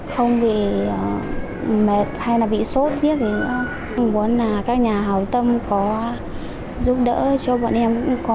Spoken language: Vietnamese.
không bị mệt hay là bị sốt như thế nữa em muốn là các nhà hào tâm có giúp đỡ cho bọn em có